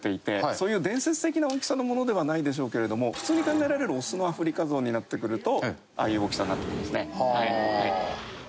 そういう伝説的な大きさのものではないでしょうけれども普通に考えられるオスのアフリカゾウになってくるとああいう大きさになってくるんですね。